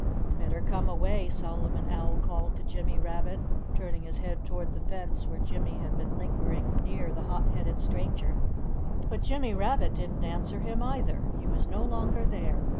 "Better come away!" Solomon Owl called to Jimmy Rabbit, turning his head toward the fence where Jimmy had been lingering near the hot headed stranger. But Jimmy Rabbit didn't answer him, either. He was no longer there.